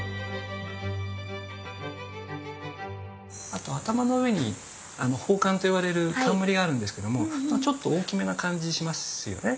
あと頭の上に宝冠といわれる冠があるんですけどもちょっと大きめな感じしますよね？